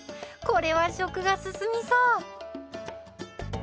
これは食が進みそう！